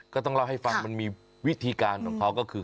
ก็ต้องเล่าให้ฟังมันมีวิธีการของเขาก็คือ